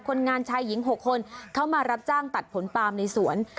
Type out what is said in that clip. คนงานชายหญิง๖คนเข้ามารับจ้างตัดผลปาล์มในสวน